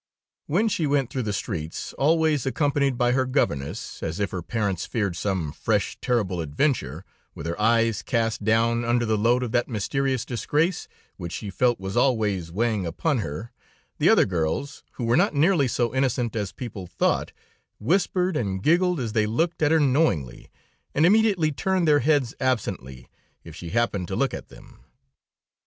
"When she went through the streets, always accompanied by her governess, as if her parents feared some fresh, terrible adventure, with her eyes cast down under the load of that mysterious disgrace, which she felt was always weighing upon her, the other girls, who were not nearly so innocent as people thought, whispered and giggled as they looked at her knowingly, and immediately turned their heads absently, if she happened to look at them.